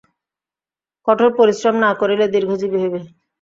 কঠোর পরিশ্রম না করিলে দীর্ঘজীবী হইবে।